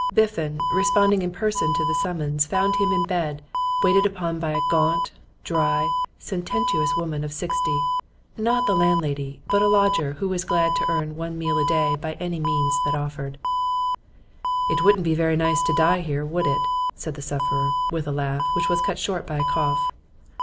Biffen, responding in person to the summons, found him in bed, waited upon by a gaunt, dry, sententious woman of sixty not the landlady, but a lodger who was glad to earn one meal a day by any means that offered. 'It wouldn't be very nice to die here, would it?' said the sufferer, with a laugh which was cut short by a cough.